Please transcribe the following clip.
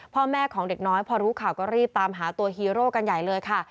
พ่อแม่ของเด็กน้อยพอรู้ข่าวก็รีบตามหาตัวฮีโร่กันใหญ่เลยค่ะ